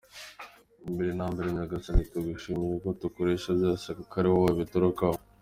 Mbere na mbere Nyagasani tugushimiye ibyo turukesha byose kuko ari wowe biturukaho.